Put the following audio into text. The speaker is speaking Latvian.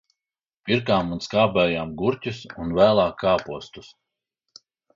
Pirkām un skābējām gurķus un vēlāk kāpostus.